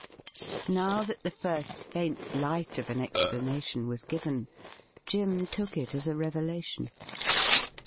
Now that the first faint light of an explanation was given, Jim took it as a revelation.